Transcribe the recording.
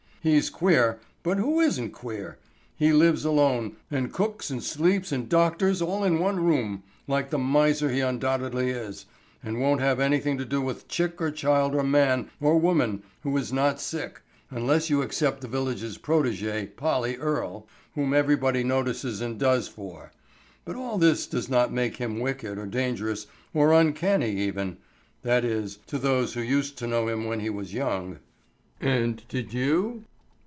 He's queer; but who isn't queer? He lives alone, and cooks and sleeps and doctors all in one room, like the miser he undoubtedly is, and won't have anything to do with chick or child or man or woman who is not sick, unless you except the village's protégée, Polly Earle, whom everybody notices and does for. But all this does not make him wicked or dangerous or uncanny even. That is, to those who used to know him when he was young." "And did you?"